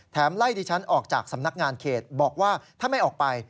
ไล่ดิฉันออกจากสำนักงานเขตบอกว่าถ้าไม่ออกไป